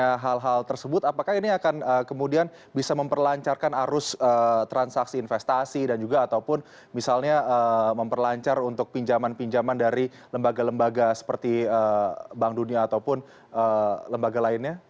ada hal hal tersebut apakah ini akan kemudian bisa memperlancarkan arus transaksi investasi dan juga ataupun misalnya memperlancar untuk pinjaman pinjaman dari lembaga lembaga seperti bank dunia ataupun lembaga lainnya